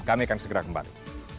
kami akan segera kembali